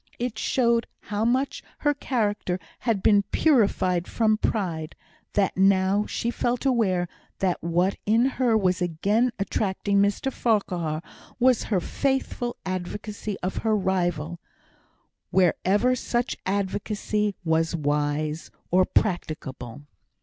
It showed how much her character had been purified from pride, that now she felt aware that what in her was again attracting Mr Farquhar was her faithful advocacy of her rival, wherever such advocacy was wise or practicable.